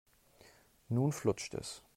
Nun flutscht es.